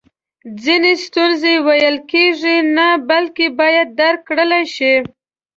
ځینې ستونزی ویل کیږي نه بلکې باید درک کړل سي